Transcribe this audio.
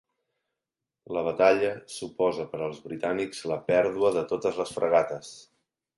La batalla suposa per als britànics la pèrdua de totes les fragates.